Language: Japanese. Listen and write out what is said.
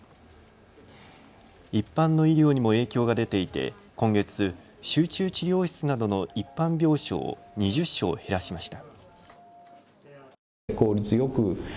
一般の医療にも影響が出ていて今月、集中治療室などの一般病床を２０床減らしました。